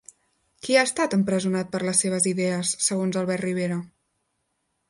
Qui ha estat empresonat per les seves idees segons Albert Rivera?